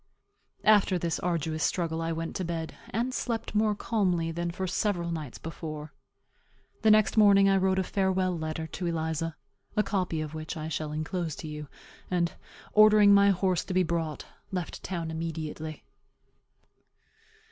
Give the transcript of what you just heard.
After this arduous struggle I went to bed, and slept more calmly than for several nights before. The next morning I wrote a farewell letter to Eliza, (a copy of which I shall enclose to you,) and, ordering my horse to be brought, left town immediately.